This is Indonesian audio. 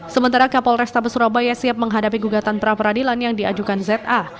sementara kapol restabes surabaya siap menghadapi gugatan pra peradilan yang diajukan za